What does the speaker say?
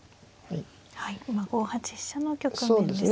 今５八飛車の局面ですが。